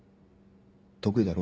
得意だろ？